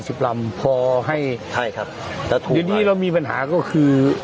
สัก๕๐ลำพอให้ครับเรามีปัญหาก็คือ